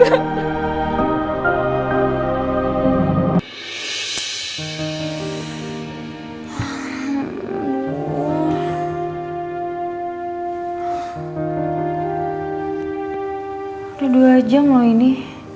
aduh dua jam loh ini